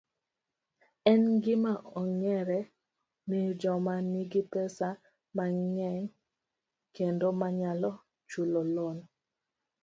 En gima ong'ere ni joma nigi pesa mang'eny kendo manyalo chulo lon